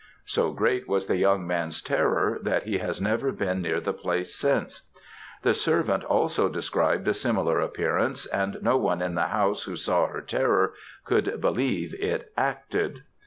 So great was the young man's terror that he has never been near the place since. The servant also described a similar appearance, and no one in the house who saw her terror could believe it acted.